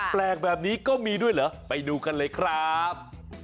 แปลกแบบนี้ก็มีด้วยเหรอไปดูกันเลยครับ